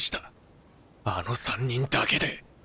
あの３人だけで。